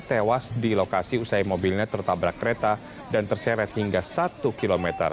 tewas di lokasi usai mobilnya tertabrak kereta dan terseret hingga satu km